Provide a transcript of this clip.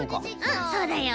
うんそうだよ。